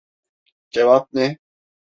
Cevap ne?